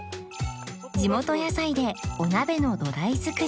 地元野菜でお鍋の土台作り